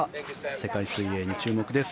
世界水泳に注目です。